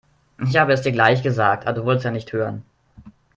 Ich habe es dir gleich gesagt, aber du wolltest ja nicht hören.